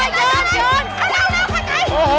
เข้าไหล